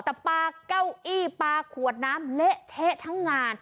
แต่ปลาเก้าอี้ปลาขวดน้ำเละเทะทั้งงาน